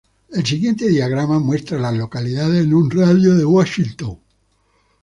El siguiente diagrama muestra a las localidades en un radio de de Washington.